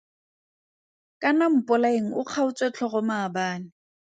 Kana Mpolaeng o kgaotswe tlhogo maabane.